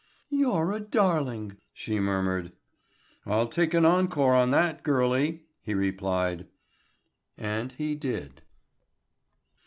"You're a darling," she murmured. "I'll take an encore on that, girlie," he replied. And he did.